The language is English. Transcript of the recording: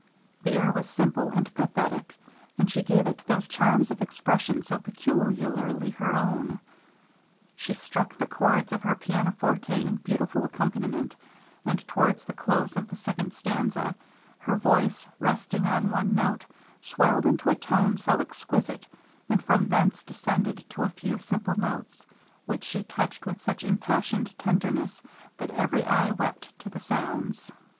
The air was simple and pathetic, and she gave it those charms of expression so peculiarly her own. She struck the chords of her piana forte in beautiful accompaniment, and towards the close of the second stanza, her voice resting on one note, swelled into a tone so exquisite, and from thence descended to a few simple notes, which she touched with such impassioned tenderness that every eye wept to the sounds.